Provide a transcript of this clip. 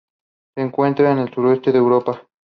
Se encuentra en el sudeste de Europa.